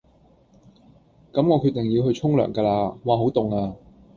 咁我決定要去沖涼㗎啦，嘩好凍呀！